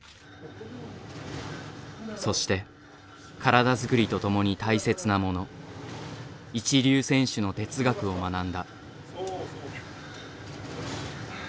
そして体づくりとともに大切なもの「一流選手の哲学」を学んだ。